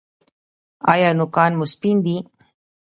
ایا نوکان مو سپین دي؟